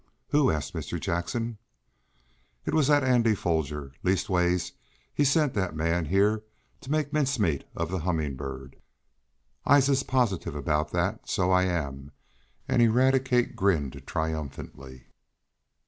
"Who?" asked Mr. Jackson. "It were dat Andy Foger. Leastways, he send dat man heah t' make mincemeat oh de Hummin' Bird. I's positib 'bout dat, so I am!" And Eradicate grinned triumphantly.